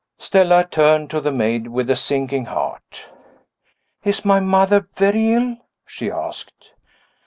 Stella turned to the maid with a sinking heart. "Is my mother very ill?" she asked.